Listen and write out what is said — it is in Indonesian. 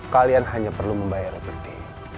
kalian hanya perlu membayar peti